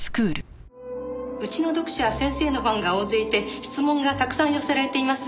うちの読者は先生のファンが大勢いて質問がたくさん寄せられています。